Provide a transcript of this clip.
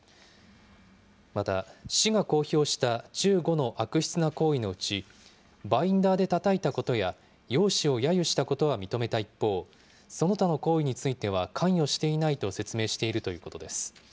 また市が公表した１５の悪質な行為のうち、バインダーでたたいたことや、容姿をやゆしたことは認めた一方、その他の行為については関与していないと説明しているということです。